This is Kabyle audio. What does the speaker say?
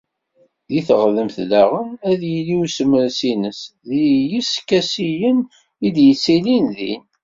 Deg teɣdemt daɣen, ad yili usemres-ines deg yiskasiyen i d-yettilin din.